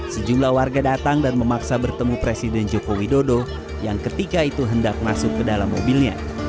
sejumlah warga datang dan memaksa bertemu presiden joko widodo yang ketika itu hendak masuk ke dalam mobilnya